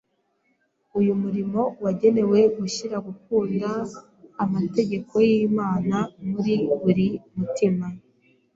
Uyu murimo wagenewe gushyira gukunda amategeko y’Imana muri buri mutima